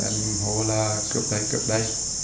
em hôn là cướp đây cướp đây